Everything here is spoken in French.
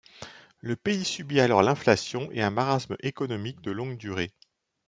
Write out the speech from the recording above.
Le pays subit alors l'inflation et un marasme économique de longue durée.